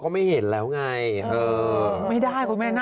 ตอนนี้เป็นเกลี่ยได้ล่ะ